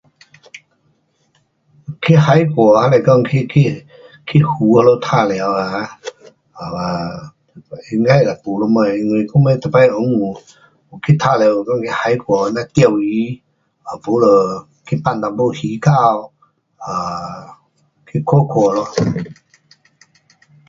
去海外还是讲去，去，去湖那边玩耍啊，um 应该是没什么，因为我们每次温故，去玩耍，我们去海外那里钓鱼，要不就去放一点鱼钩，um 去看看咯。